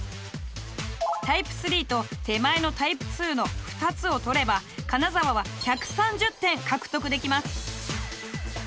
タイプ３と手前のタイプ２の２つを取れば金沢は１３０点獲得できます。